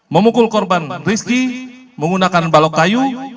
memukul korban rizky menggunakan balok kayu